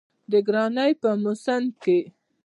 د ګرانۍ په موسم کې